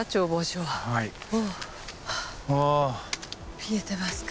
見えてますか？